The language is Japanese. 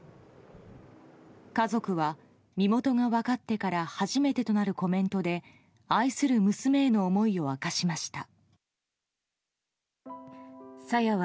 家族は身元が分かってから初めてとなるコメントで愛する娘への思いを明かしました。